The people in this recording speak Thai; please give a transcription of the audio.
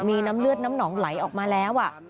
มีน้ำเลือดน้ำหนองไหลออกมาแล้ว